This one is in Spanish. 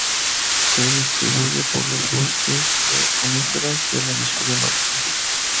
Se distribuyen por los bosques de coníferas del hemisferio norte.